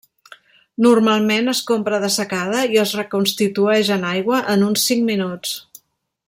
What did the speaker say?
Normalment es compra dessecada i es reconstitueix en aigua en uns cinc minuts.